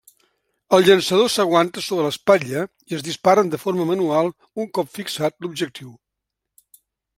El llançador s'aguanta sobre l'espatlla i es disparen de forma manual un cop fixat l'objectiu.